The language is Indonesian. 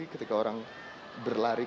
ketika orang berlari